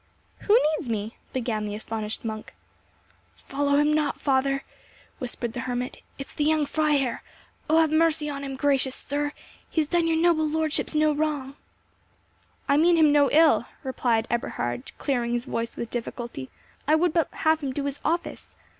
"Who needs me?" began the astonished monk. "Follow him not, father!" whispered the hermit. "It is the young Freiherr.—Oh have mercy on him, gracious sir; he has done your noble lordships no wrong." "I mean him no ill," replied Eberhard, clearing his voice with difficulty; "I would but have him do his office.